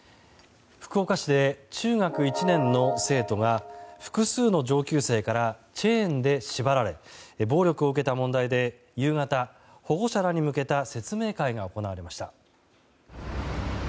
福岡市で中学１年の生徒が複数の上級生からチェーンで縛られ暴力を受けた問題で夕方、保護者らに向けた説明会が行われました。